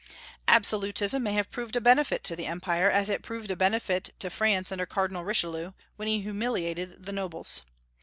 Absolutism may have proved a benefit to the Empire, as it proved a benefit to France under Cardinal Richelieu, when he humiliated the nobles.